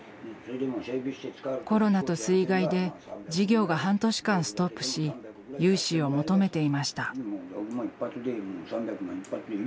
コロナと水害で事業が半年間ストップし融資を求めていました。